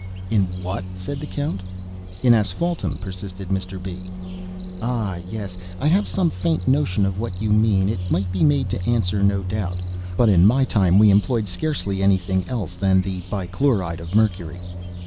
"In what?" said the Count. "In asphaltum," persisted Mr. B. "Ah, yes; I have some faint notion of what you mean; it might be made to answer, no doubt—but in my time we employed scarcely any thing else than the Bichloride of Mercury."